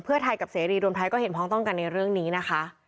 เพื่อไทยกับเสรีรวมไทยก็เห็นพ้องต้องกันในเรื่องนี้นะคะ